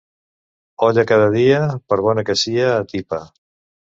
Olla cada dia, per bona que sia, atipa.